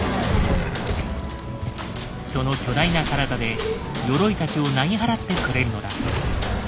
その巨大な体でヨロイたちをなぎ払ってくれるのだ。